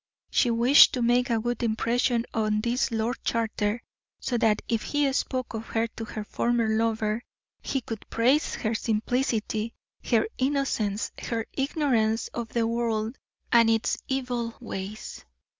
She wished to make a good impression on this Lord Charter, so that if he spoke of her to her former lover, he could praise her simplicity, her innocence, her ignorance of the world and its evil ways.